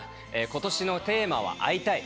今年のテーマは「会いたい！」。